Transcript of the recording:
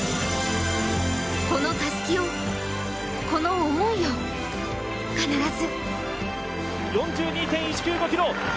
このたすきを、この思いを、必ず！